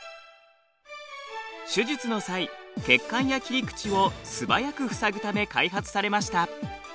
手術の際血管や切り口を素早く塞ぐため開発されました。